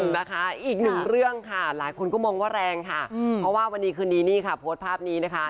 นะคะอีกหนึ่งเรื่องค่ะหลายคนก็มองว่าแรงค่ะเพราะว่าวันนี้คืนนี้นี่ค่ะโพสต์ภาพนี้นะคะ